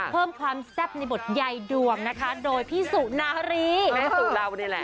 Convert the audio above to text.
เพิ่มความแซ่บในบทยายดวงนะคะโดยพี่สุนะฮารีโอ้ยพานี่แหละ